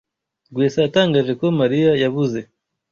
Rwesa yatangaje ko Mariya yabuze.